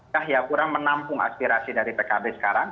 yahya kurang menampung aspirasi dari pkb sekarang